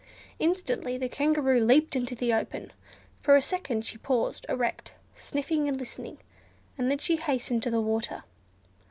Instantly, the Kangaroo leaped into the open. For a second she paused erect, sniffing and listening, and then she hastened to the water.